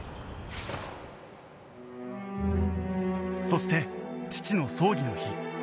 そして父の葬儀の日